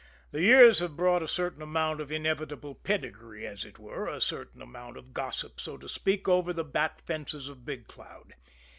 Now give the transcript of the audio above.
The years have brought a certain amount of inevitable pedigree, as it were a certain amount of gossip, so to speak, over the back fences of Big Cloud.